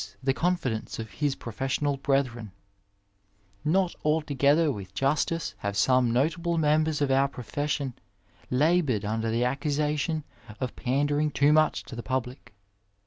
the confidence of his professional brethren; Not altogether with justice have some notable members of our profession laboured under the accusation of pan dering too much to the public.